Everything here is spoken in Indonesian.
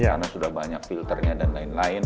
karena sudah banyak filternya dan lain lain